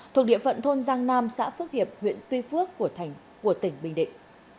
thuộc địa phận thôn giang nam xã phước hiệp huyện tuy phước của tỉnh bình định